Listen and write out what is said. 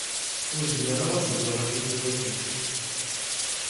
Ur zmireɣ ara ad ẓẓleɣ afus-iw ayeffus.